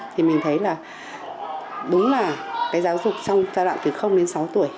thì mình thấy là đúng là cái giáo dục trong giai đoạn từ đến sáu tuổi